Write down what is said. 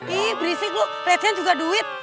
ih berisik lo recian juga duit